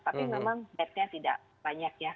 tapi memang bednya tidak banyak ya